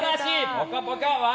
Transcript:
「ぽかぽか」笑